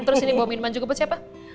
terus ini bawa minuman juga buat siapa